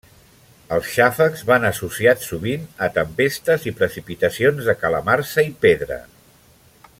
Els xàfecs van associats sovint a tempestes i precipitacions de calamarsa i pedra.